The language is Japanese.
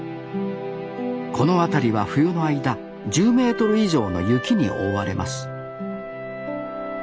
この辺りは冬の間１０メートル以上の雪に覆われます